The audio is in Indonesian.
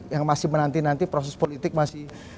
yang masih menanti nanti proses politik masih